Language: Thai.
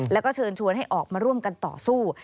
แล้วก็เชิญชวนให้ออกมาร่วมกันต่อสู้